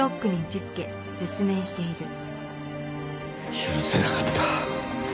許せなかった。